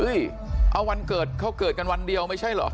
เอาวันเกิดเขาเกิดกันวันเดียวไม่ใช่เหรอ